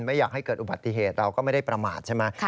ไม่อยากให้เกิดอุบัติเหตุเราก็ไม่ได้ประมาทใช่ไหม